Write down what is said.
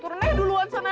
turun aja duluan sana